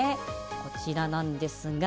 こちらなんですが。